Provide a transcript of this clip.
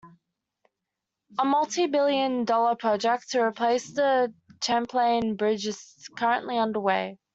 A multibillion-dollar project to replace the Champlain Bridge is currently underway.